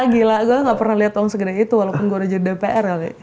gila gue gak pernah lihat tahun segenai itu walaupun gue udah jadi dpr kali